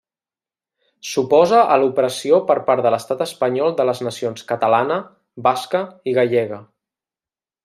S'oposa a l'opressió per part de l'Estat espanyol de les nacions catalana, basca i gallega.